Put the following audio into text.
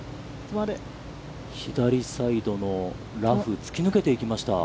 左サイドのラフ、突き抜けていきました。